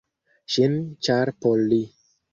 Ŝin, ĉar por li.